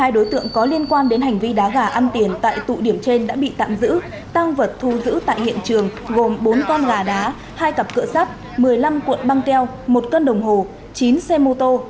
một mươi đối tượng có liên quan đến hành vi đá gà ăn tiền tại tụ điểm trên đã bị tạm giữ tăng vật thu giữ tại hiện trường gồm bốn con gà đá hai cặp cửa sắt một mươi năm cuộn băng keo một cân đồng hồ chín xe mô tô